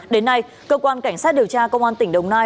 đến nay cơ quan cảnh sát điều tra công an tỉnh đồng nai